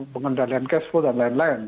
pengendalian cash flow dan lain lain